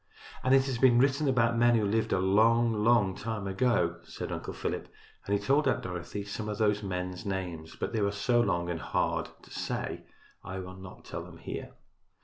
"And it has been written about by men who lived a long, long time ago," said Uncle Philip, and he told Aunt Dorothy some of those men's names. But they are so long and hard to say I will not tell them here.